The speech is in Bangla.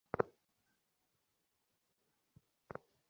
স্বামীজী সেদিন স্বয়ং সকল বিষয়ের তত্ত্বাবধান করিয়া বেড়াইতেছিলেন।